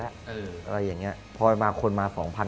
อะไรอย่างนี้พอมาคนมา๒๐๐๐